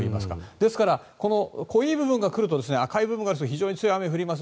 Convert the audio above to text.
ですから、濃い部分が来ると赤い部分で非常に強い雨が降ります。